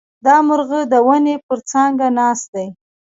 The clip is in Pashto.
دا مرغه د ونې پر څانګه ناست دی.